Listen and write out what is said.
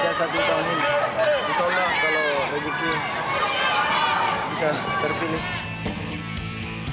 bisa udah kalau rezaldi bisa terpilih